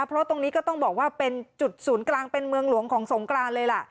เพราะตรงนี้ก็ต้องบอกว่าเป็นจุดศูนย์กลางเป็นเมืองหลวงของสงกรานเลยล่ะ